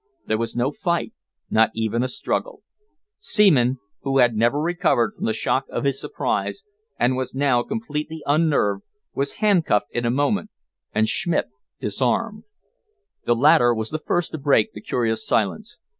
There was no fight, not even a struggle. Seaman, who had never recovered from the shock of his surprise, and was now completely unnerved, was handcuffed in a moment, and Schmidt disarmed. The latter was the first to break the curious silence.